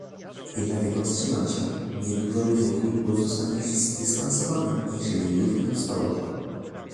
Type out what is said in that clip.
"I dlatego ostrzegam cię: niedużo ryzykuj, bo zostaniesz zdystansowany, jeżeli już nie zostałeś."